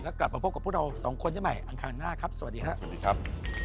และกลับมาพบกับพวกเรา๒คนใหม่อังคารหน้าครับสวัสดีครับ